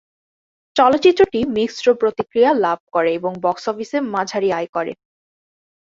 চলচ্চিত্রটি মিশ্র প্রতিক্রিয়া লাভ করে এবং বক্স অফিসে মাঝারি আয় করে।